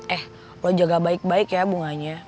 eh lo jaga baik baik ya bunganya